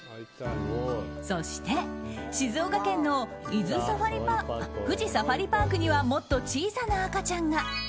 そして、静岡県の富士サファリパークにはもっと小さな赤ちゃんが。